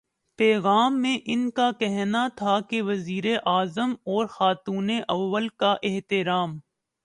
پیغام میں ان کا کہنا تھا کہ وزیرا اعظم اور خاتونِ اول کا احترام